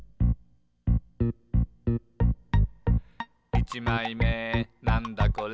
「いちまいめなんだこれ？